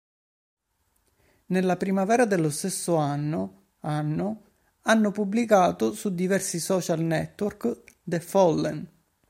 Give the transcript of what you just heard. Nella primavera dello stesso anno anno hanno pubblicato su diversi social network "The Fallen".